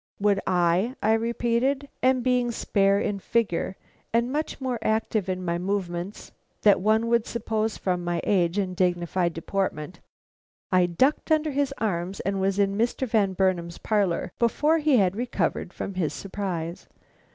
"Would I," I repeated; and being spare in figure and much more active in my movements that one would suppose from my age and dignified deportment, I ducked under his arms and was in Mr. Van Burnam's parlor before he had recovered from his surprise.